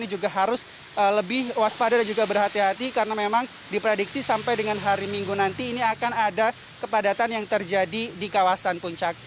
juga harus lebih waspada dan juga berhati hati karena memang diprediksi sampai dengan hari minggu nanti ini akan ada kepadatan yang terjadi di kawasan puncak